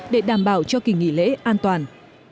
để đảm bảo cho kỳ nghỉ lễ an toàn